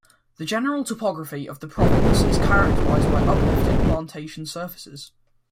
The general topography of the province is characterized by uplifted plantation surfaces.